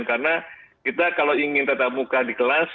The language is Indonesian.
karena kita kalau ingin tetap muka di kelas